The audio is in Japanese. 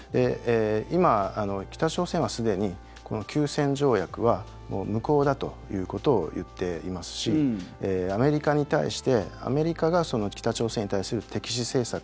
今、北朝鮮はすでにこの休戦条約は無効だということを言っていますしアメリカに対してアメリカが北朝鮮に対する敵視政策